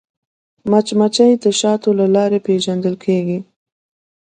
مچمچۍ د شاتو له لارې پیژندل کېږي